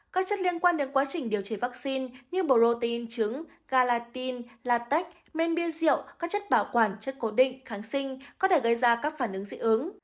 các chất liên quan đến quá trình điều trị vắc xin như bổ protein trứng galatin latex men bia rượu các chất bảo quản chất cố định kháng sinh có thể gây ra các phản ứng dị ứng